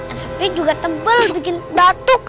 asapnya juga tebal bikin batuk